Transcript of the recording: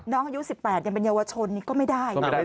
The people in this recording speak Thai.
น้องอายุสิบแปดยังเป็นเยาวชนก็ไม่ได้